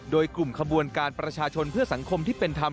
โดยกลุ่มขบวนการประชาชนเพื่อสังคมที่เป็นธรรม